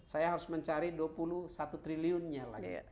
saya harus mencari dua puluh satu triliunnya lagi